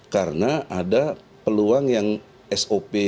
karena ada peluang yang sop